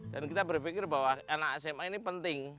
dan kita berpikir bahwa anak sma ini penting